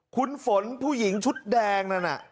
คุณฝนผู้หญิงชุดแดงนั่นน่ะ